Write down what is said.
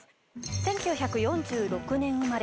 １９４６年生まれ。